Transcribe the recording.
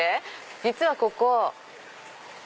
実はここ。